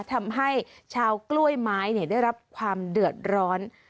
ทำให้ชาวกล้วยไม้ได้รับความเดือดร้อน